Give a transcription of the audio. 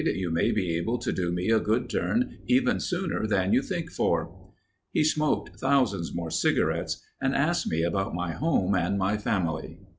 "You may be able to do me a good turn even sooner than you think for." He smoked thousands more cigarettes, and asked me about my home and my family.